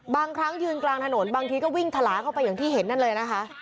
บางครั้งยืนกลางถนนบางทีก็วิ่งทะลาเข้าไปอย่างที่เห็นนั่นเลยนะคะ